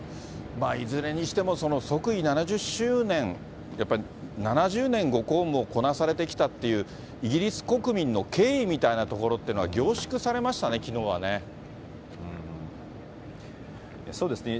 いずれにしても即位７０周年、やっぱり７０年、ご公務をこなされてきたっていう、イギリス国民の敬意みたいなところっていうのは、凝縮されましたそうですね。